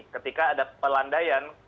ketika ada pelandaian